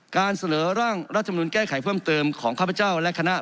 การเสนอร่างรัฐมนุนแก้ไขเพิ่มเติมของข้าพเจ้าและคณะ